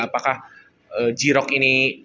apakah g rock ini